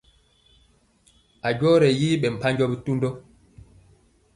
A jɔ ye yi ɓɛ mpanjɔ bitundɔ.